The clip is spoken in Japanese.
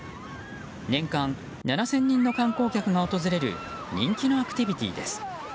年間７０００人の観光客が訪れる人気のアクティビティーです。